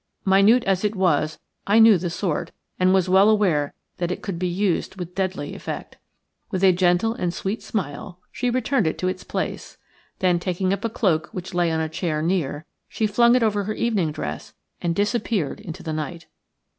Minute as it was, I knew the sort, and was well aware that it could be used with deadly effect. With a gentle and sweet smile she returned it to its place; then, taking up a cloak which lay on a chair near, she flung it over her evening dress and disappeared into the night.